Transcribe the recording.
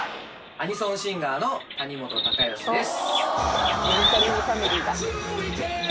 アニソンシンガーの谷本貴義です